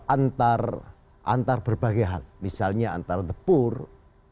antar antar berbagai hal misalnya antar depur kelompok milik